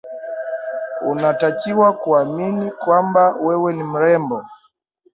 unatakiwa kuamini kwamba wewe ni mrembo